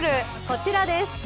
こちらです。